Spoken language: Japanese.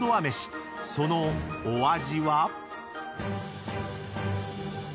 ［そのお味は？］